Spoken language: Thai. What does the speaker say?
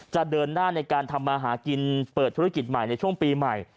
จะเดินหน้าในการทำมาหากินเปิดธุรกิจใหม่ในช่วงปีใหม่